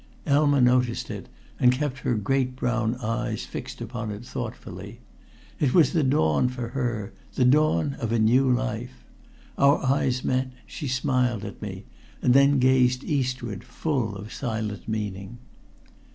Elma noticed it, and kept her great brown eyes fixed upon it thoughtfully. It was the dawn for her the dawn of a new life. Our eyes met; she smiled at me, and then gazed again eastward, full of silent meaning.